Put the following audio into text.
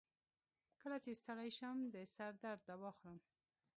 کله چې ستړی شم، د سر درد دوا خورم.